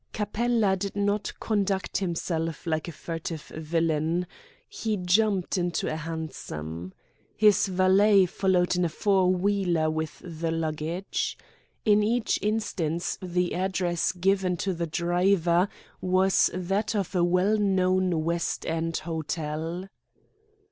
Capella did not conduct himself like a furtive villain. He jumped into a hansom. His valet followed in a four wheeler with the luggage. In each instance the address given to the driver was that of a well known West End hotel.